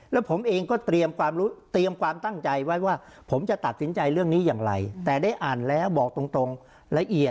แล้วผมเองก็เตรียมความรู้เตรียมความตั้งใจไว้ว่าผมจะตัดสินใจเรื่องนี้อย่างไร